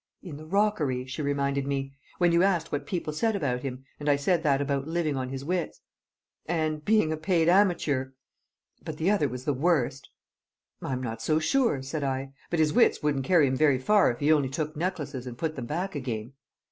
"In the rockery," she reminded me. "When you asked what people said about him, and I said that about living on his wits." "And being a paid amateur!" "But the other was the worst." "I'm not so sure," said I. "But his wits wouldn't carry him very far if he only took necklaces and put them back again."